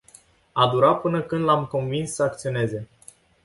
A durat până când l-am convins să acționeze.